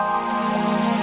ada yang salih bumi